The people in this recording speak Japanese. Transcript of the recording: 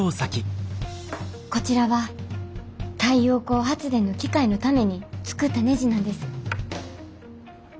こちらは太陽光発電の機械のために作ったねじなんです。